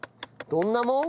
どんなもん？